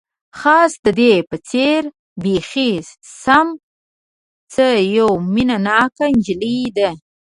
خاص د دې په څېر، بیخي سم، څه یوه مینه ناکه انجلۍ ده.